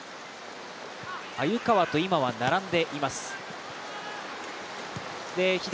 鮎川と今は並んでいます。